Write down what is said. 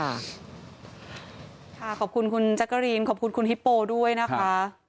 ขอบคุณคุณแจ๊กกะรีนขอบคุณคุณฮิปโปด้วยนะคะ